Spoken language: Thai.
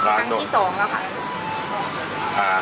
ครั้งที่๒แล้วค่ะ